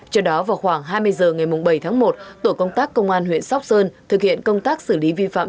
trước đó vào khoảng hai mươi h ngày bảy tháng một tổ công tác công an huyện sóc sơn thực hiện công tác xử lý vi phạm